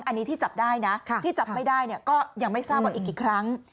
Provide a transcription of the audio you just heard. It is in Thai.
อันนี้ที่จับได้นะที่จับไม่ได้ก็ยังไม่ทราบว่าอีกกี่ครั้ง